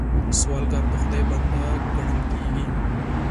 سوالګر د خدای بنده ګڼل کېږي